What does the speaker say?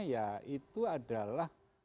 ya itu adalah